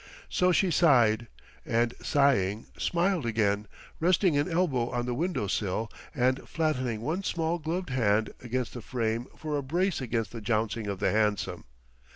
So she sighed, and sighing, smiled again; resting an elbow on the window sill and flattening one small gloved hand against the frame for a brace against the jouncing of the hansom.